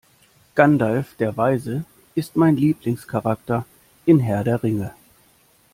Gandalf der Weise ist mein Lieblingscharakter in Herr der Ringe.